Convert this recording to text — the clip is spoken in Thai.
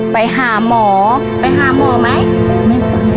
ไปหาหมอไปหาหมอไหม